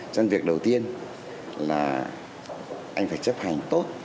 trong việc đầu tiên là anh phải chấp hành tốt